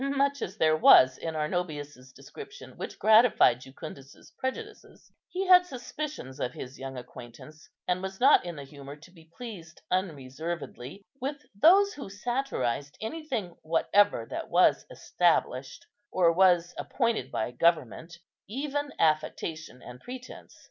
Much as there was in Arnobius's description which gratified Jucundus's prejudices, he had suspicions of his young acquaintance, and was not in the humour to be pleased unreservedly with those who satirized anything whatever that was established, or was appointed by government, even affectation and pretence.